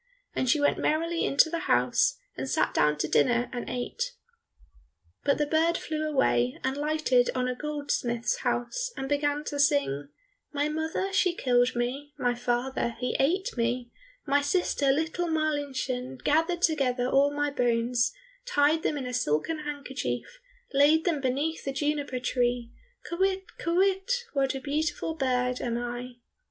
And she went merrily into the house, and sat down to dinner and ate. But the bird flew away and lighted on a goldsmith's house, and began to sing, "My mother she killed me, My father he ate me, My sister, little Marlinchen, Gathered together all my bones, Tied them in a silken handkerchief, Laid them beneath the juniper tree, Kywitt, kywitt, what a beautiful bird am I!"